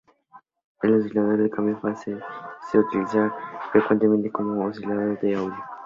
El oscilador de cambio de fase se utiliza frecuentemente como oscilador de audio.